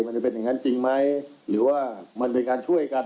มันจะเป็นอย่างนั้นจริงไหมหรือว่ามันเป็นการช่วยกัน